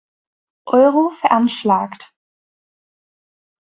Euro veranschlagt.